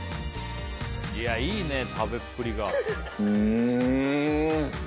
いやいいね食べっぷりが。